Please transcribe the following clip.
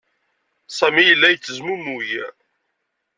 Sami yella yettezmumug.